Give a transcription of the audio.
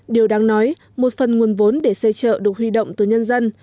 điều đáng nói một phần nguồn vốn để xây chợ được huy động từ nhân dân